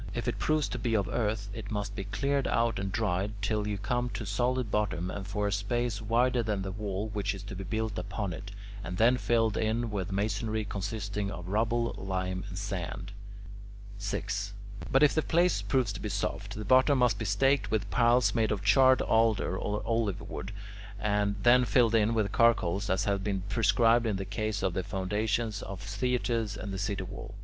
If it proves to be of earth, it must be cleared out and dried till you come to solid bottom and for a space wider than the wall which is to be built upon it, and then filled in with masonry consisting of rubble, lime, and sand. 6. But if the place proves to be soft, the bottom must be staked with piles made of charred alder or olive wood, and then filled in with charcoal as has been prescribed in the case of the foundations of theatres and the city wall.